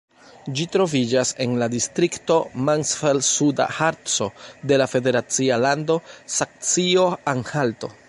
Ĝi troviĝas en la distrikto Mansfeld-Suda Harco de la federacia lando Saksio-Anhalto.